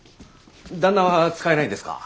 旦那は使えないんですか？